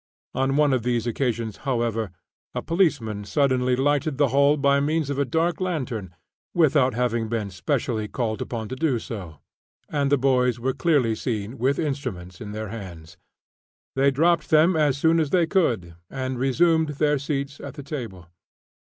On one of these occasions, however, a policeman suddenly lighted the hall by means of a dark lantern, without having been specially called upon to do so; and the boys were clearly seen with instruments in their hands. They dropped them as soon as they could, and resumed their seats at the table.